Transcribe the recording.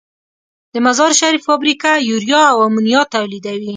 د مزارشریف فابریکه یوریا او امونیا تولیدوي.